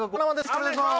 お願いします。